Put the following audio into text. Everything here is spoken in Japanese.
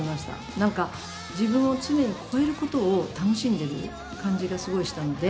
何か自分を常に超えることを楽しんでる感じがすごいしたので。